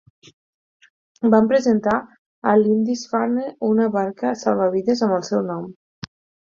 Van presentar a Lindisfarne una barca salvavides amb el seu nom.